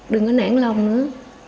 đừng có nản lòng nữa